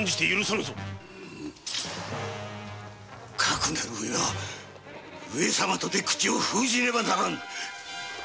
かくなる上は上様とて口を封じねばならぬ。